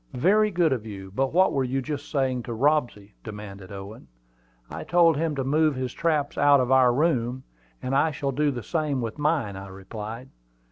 "Very good of you; but what were you just saying to Robsy?" demanded Owen. "I told him to move his traps out of our room; and I shall do the same with mine," I replied.